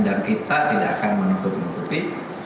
dan kita tidak akan menutup menutupi